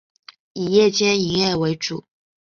以夜间营业为主。